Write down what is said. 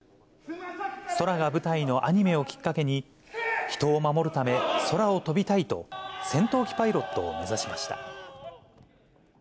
空が舞台のアニメをきっかけに、人を守るため、空を飛びたいと、戦闘機パイロットを目指しました。